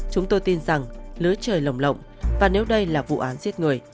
chúng tôi tin rằng lứa trời lồng lộng và nếu đây là vụ án giết người